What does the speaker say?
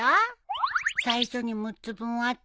最初に６つ分あって。